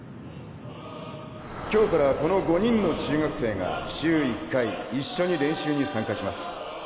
今日からこの５人の中学生が週１回一緒に練習に参加します